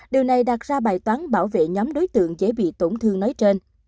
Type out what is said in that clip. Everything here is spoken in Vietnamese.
điều này đặt ra bài toán bảo vệ nhóm đối tượng dễ bị tổn thương nói trên